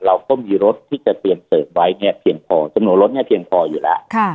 เราก็มีรถที่จะเตรียมเสริมไว้เนี่ยเพียงพอจำนวนรถเนี่ยเพียงพออยู่แล้ว